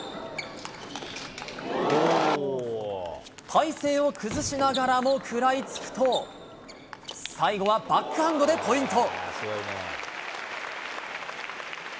体勢を崩しながらも食らいつくと、最後はバックハンドでポイント。